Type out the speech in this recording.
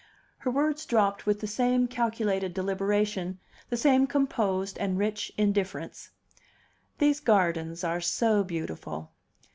Her words dropped with the same calculated deliberation, the same composed and rich indifference. "These gardens are so beautiful."